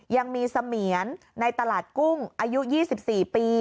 ยังมีเสมียนในตลาดกุ้งอายุ๒๔ปี